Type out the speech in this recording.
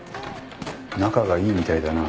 仲がいいみたいだな。